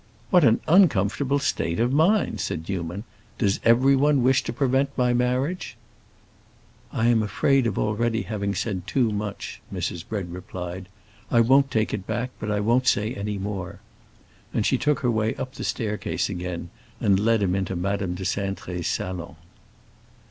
"What an uncomfortable state of mind!" said Newman. "Does 'everyone' wish to prevent my marriage?" "I am afraid of already having said too much," Mrs. Bread replied. "I won't take it back, but I won't say any more." And she took her way up the staircase again and led him into Madame de Cintré's salon.